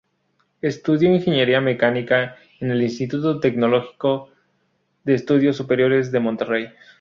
Estudió Ingeniería Mecánica en el Instituto Tecnológico de Estudios Superiores de Monterrey.